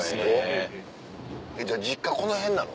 えっじゃあ実家この辺なの？